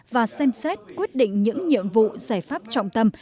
và xem xét quyết định những nhiệm vụ giải pháp trọng tâm